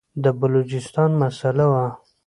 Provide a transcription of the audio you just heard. د بلوچستان مسله وه.